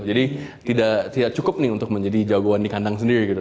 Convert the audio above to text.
jadi tidak cukup nih untuk menjadi jagoan di kandang sendiri gitu